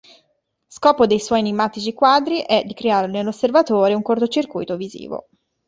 Scopo dei suoi enigmatici quadri è di creare nell'osservatore un "cortocircuito" visivo.